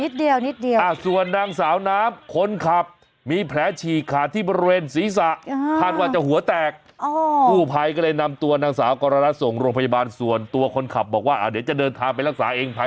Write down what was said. นิดเดียวนิดเดียวส่วนนางสาวน้ำคนขับมีแผลฉีกค่ะที่บริเวณศีรษะ